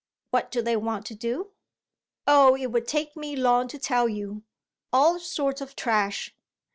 "What do they want to do?" "Oh it would take me long to tell you. All sorts of trash."